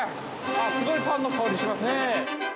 あっ、すごいパンの香りしますね。